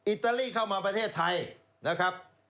อิตาลีเข้ามาประเทศไทยนะครับ